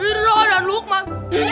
irraw dan lukman